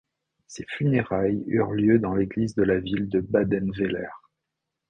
Ses funérailles eurent lieu dans l'église de la ville de Badenweiler.